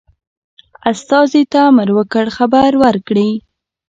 استازي ته امر وکړ خبر ورکړي.